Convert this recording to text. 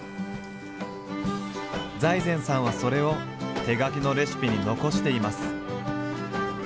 財前さんはそれを手書きのレシピに残しています。